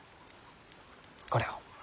これを。